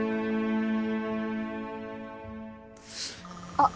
あっ。